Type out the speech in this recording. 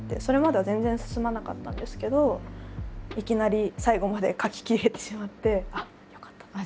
それまでは全然進まなかったんですけどいきなり最後まで書ききれてしまって「ああよかった」。